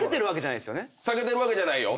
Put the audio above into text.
避けてるわけじゃないよ。